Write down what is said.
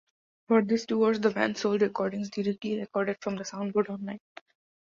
For these two tours, the band sold recordings directly recorded from the sound-board online.